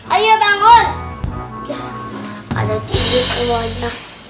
ada tidur keluar